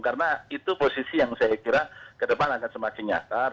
karena itu posisi yang saya kira ke depan akan semakin nyatar